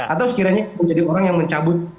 atau sekiranya menjadi orang yang mencabut